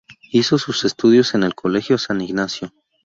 Hizo sus estudios en el Colegio San Ignacio.